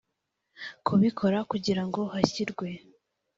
kubikora kugira ngo hashyirwe